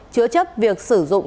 chữa chấp việc sử dụng